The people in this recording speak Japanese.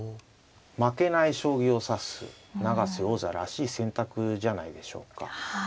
負けない将棋を指す永瀬王座らしい選択じゃないでしょうか。